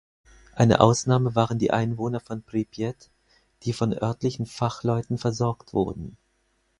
Eine Ausnahme waren die Einwohner von Prypjat, die von örtlichen Fachleuten versorgt wurden.